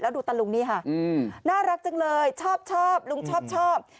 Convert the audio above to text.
ดูตะลุงนี่ค่ะน่ารักจังเลยชอบลุงชอบ